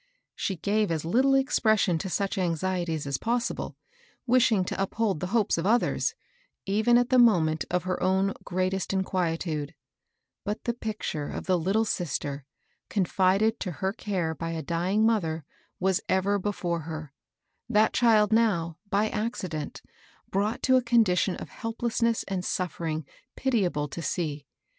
She gave little expression' to such anxieties as possible, wishing to uphold the hopes of others, even at the moment of her own greatest inquietude ; but the picture of the Uttle sister, confided to her care by a dying mother, was ever before her, — that child now, by accident, brought to a condition of helplessness and suffering pitiable to see.